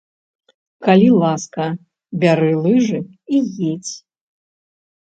Калі ласка, бяры лыжы і едзь.